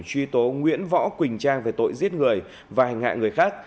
truy tố nguyễn võ quỳnh trang về tội giết người và hành hạ người khác